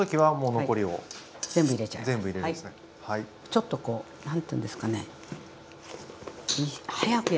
ちょっとこう何ていうんですかね早くやらないと。